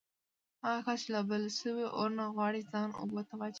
هغه کس چې له بل شوي اور نه غواړي ځان اوبو ته واچوي.